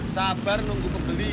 sabar nunggu kebeli